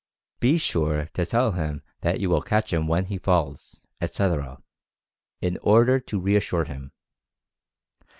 Be sure to tell him that you will catch him when he falls, etc., in order to reassure him.